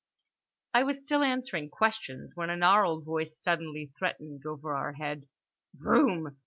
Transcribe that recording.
I was still answering questions, when a gnarled voice suddenly threatened, over our head: "Broom?